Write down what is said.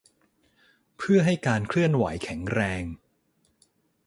เพื่อให้การเคลื่อนไหวแข็งแรง